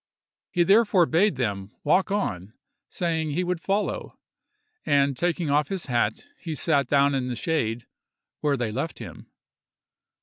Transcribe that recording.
He therefore bade them walk on, saying he would follow; and taking off his hat, he sat down in the shade, where they left him.